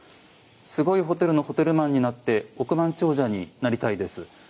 すごいホテルのホテルマンになって億万長者になりたいです。